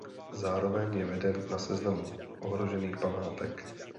Zároveň je veden na seznamu ohrožených památek.